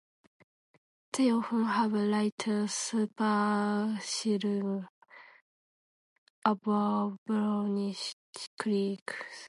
They often have a lighter supercilium above brownish cheeks.